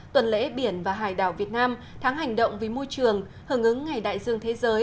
tuần lễ biển và hải đảo việt nam tháng hành động vì môi trường hưởng ứng ngày đại dương thế giới